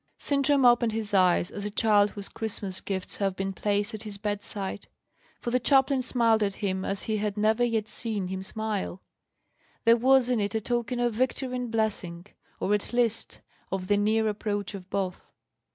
Sintram opened his eyes, as a child whose Christmas gifts have been placed at his bedside. For the chaplain smiled at him as he had never yet seen him smile. There was in it a token of victory and blessing, or at least of the near approach of both.